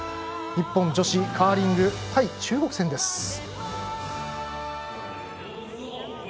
日本女子カーリング対中国戦です。